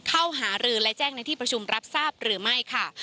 หารือและแจ้งในที่ประชุมรับทราบหรือไม่ค่ะ